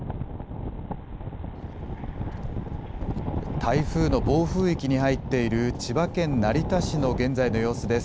台風の暴風域に入っている、千葉県成田市の現在の様子です。